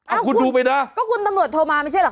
อ้าคุณดูไปนะ